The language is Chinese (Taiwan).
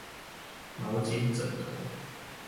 毛巾枕頭